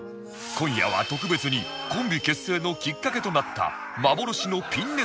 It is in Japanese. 今夜は特別にコンビ結成のきっかけとなった幻のピンネタも披露！